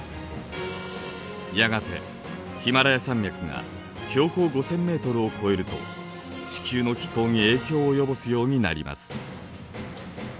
やがてヒマラヤ山脈が標高５，０００メートルを超えると地球の気候に影響を及ぼすようになります。